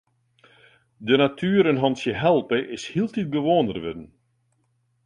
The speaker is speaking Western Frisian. De natuer in hantsje helpe is hieltyd gewoaner wurden.